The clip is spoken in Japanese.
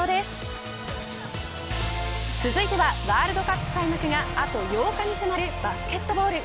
続いてはワールドカップ開幕があと８日に迫るバスケットボール。